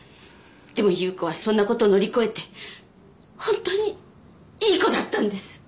でも夕子はそんなこと乗り越えてホントにいい子だったんです。